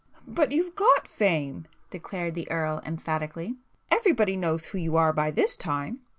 "But you've got fame!" declared the Earl emphatically—"Everybody knows who you are by this time."